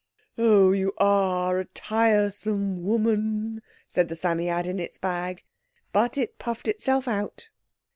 "Oh, you are a tiresome woman," said the Psammead in its bag, but it puffed itself out.